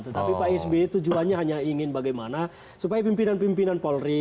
tetapi pak sby tujuannya hanya ingin bagaimana supaya pimpinan pimpinan polri